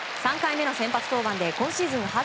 ３回目の先発登板で今シーズン